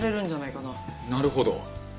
なるほど！